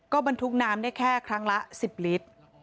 ก็บรรทุกน้ำเนี่ยแค่ครั้งละ๑๐ลิตร